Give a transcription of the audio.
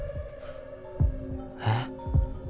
えっ？